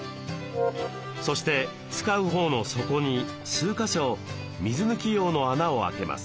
そして使う方の底に数か所水抜き用の穴を開けます。